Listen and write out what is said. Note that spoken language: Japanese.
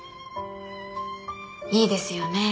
いいですよね